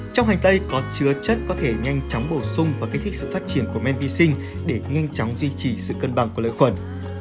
trong hành tây có chứa chất có thể nhanh chóng bổ sung và kích thích sự phát triển của men vi sinh để nhanh chóng duy trì sự cân bằng của lợi khuẩn